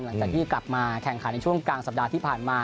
หลังจากที่กลับมาแข่งขันในช่วงกลางสัปดาห์ที่ผ่านมา